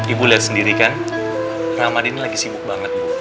ibu lihat sendiri kan ramadhin lagi sibuk banget